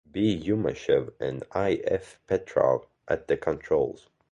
B. Yumashev and I. F. Petrov at the controls.